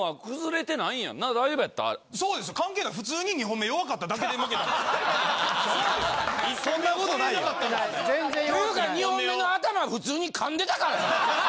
ていうか２本目の頭普通に噛んでたからな！